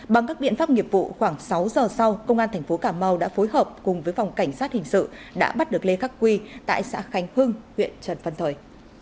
bằng các biện pháp nghiệp vụ khoảng sáu giờ sau công an thành phố cà mau đã phối hợp cùng với phòng cảnh sát hình sự đã bắt được lê khắc quy tại xã khánh hưng huyện trần văn thời